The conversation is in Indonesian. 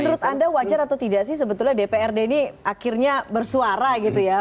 menurut anda wajar atau tidak sih sebetulnya dprd ini akhirnya bersuara gitu ya